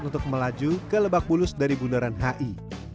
untuk melaju ke lebak bulus dari bundaran hi